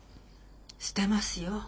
捨てますよ。